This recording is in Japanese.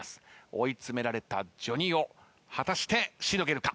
追い詰められたＪＯＮＩＯ果たしてしのげるか。